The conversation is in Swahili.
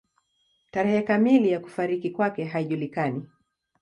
Tarehe kamili ya kufariki kwake haijulikani.